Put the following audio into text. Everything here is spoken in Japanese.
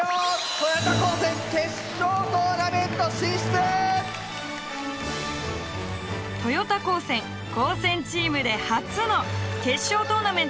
豊田高専高専チームで初の決勝トーナメント進出を果たしました！